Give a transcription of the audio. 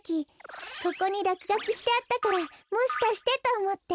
ここにらくがきしてあったからもしかしてとおもって。